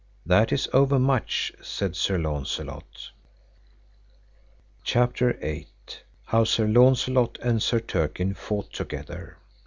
That is overmuch said, said Sir Launcelot. CHAPTER VIII. How Sir Launcelot and Sir Turquine fought together.